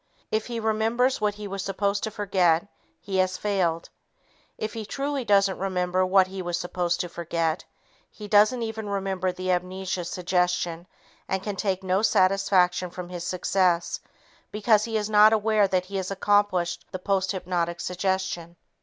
If he remembers what he was supposed to forget, he has failed. If he truly doesn't remember what he was supposed to forget, he doesn't even remember the amnesia suggestion and can take no satisfaction from his success because he is not aware that he has accomplished the posthypnotic suggestion.